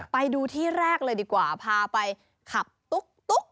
ไปดูที่แรกเลยดีกว่าพาไปขับตุ๊ก